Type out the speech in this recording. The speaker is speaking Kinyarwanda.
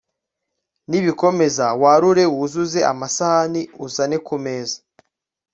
nibikomeza, warure wuzuze amasahani, uzane ku meza